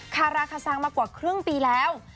คาราคาซังมากว่าครึ่งปีแล้ว